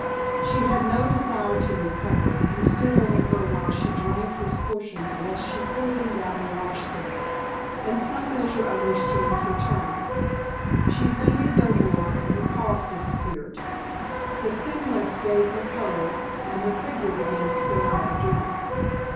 She had no desire to recover and he stood over her while she drank his potions lest she pour them down the washstand; and some measure of her strength returned. She fainted no more and her cough disappeared. The stimulants gave her color and her figure began to fill out again.